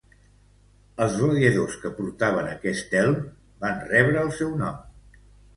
Els gladiadors que portaven aquest elm van rebre el seu nom.